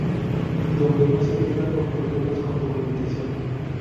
Donde no se queda por problemas con documentación.